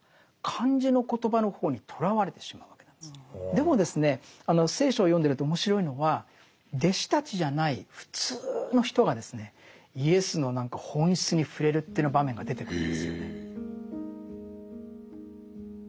でもですね聖書を読んでると面白いのは弟子たちじゃない普通の人がですねイエスの何か本質に触れるっていうような場面が出てくるんですよね。